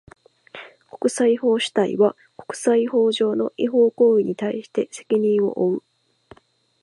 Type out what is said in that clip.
国際法主体は、国際法上の違法行為に対して責任を負う。